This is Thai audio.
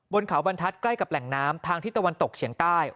บนเขาบรรทัศน์ใกล้กับแหล่งน้ำทางที่ตะวันตกเฉียงใต้